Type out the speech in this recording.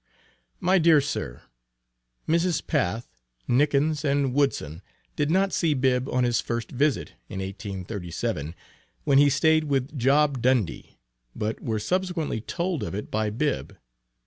MY DEAR SIR: Mrs. Path, Nickens and Woodson did not see Bibb on his first visit, in 1837, when he staid with Job Dundy, but were subsequently told of it by Bibb.